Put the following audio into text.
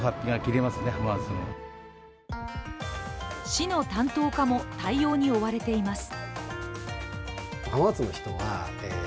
市の担当課も対応に追われています。